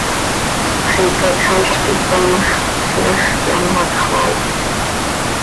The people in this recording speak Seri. Xiica cxatlc quih tpaii ma x, ziix iháx quih anxö hacx xöaait.